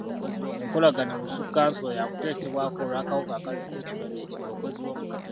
Enkolagana busukkansalo yakuteesebwako olw'akawuka akaleeta ekirwadde kya Ebola.